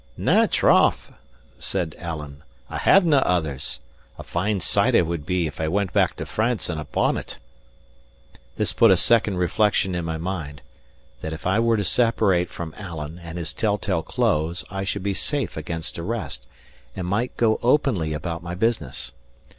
"Na, troth!" said Alan, "I have nae others. A fine sight I would be, if I went back to France in a bonnet!" This put a second reflection in my mind: that if I were to separate from Alan and his tell tale clothes I should be safe against arrest, and might go openly about my business.